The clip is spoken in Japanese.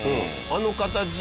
あの形の。